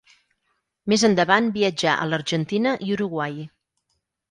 Més endavant viatjà a l'Argentina i Uruguai.